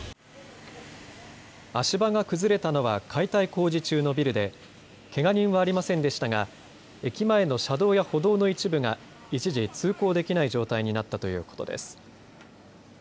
足場が崩れたのは解体工事中のビルでけが人はありませんでしたが駅前の車道や歩道の一部が一時通行できない状態になったということです。